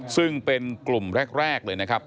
ซึ่งเป็นกลุ่มแรกเลยนะครับ